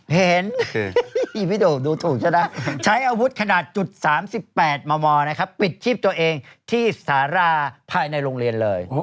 เห็นพี่โด่งดูถูกใช่ไหมใช้อาวุธขนาด๓๘มมนะครับปิดชีพตัวเองที่สาราภายในโรงเรียนเลย